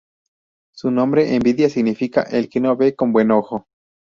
Su nombre Envidia significa "el que no ve con buen ojo".